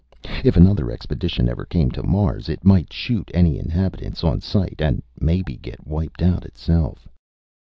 If another expedition ever came to Mars, it might shoot any inhabitants on sight, and maybe get wiped out itself.